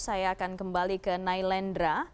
saya akan kembali ke nailendra